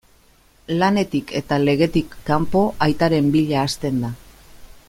Lanetik eta legetik kanpo, aitaren bila hasten da.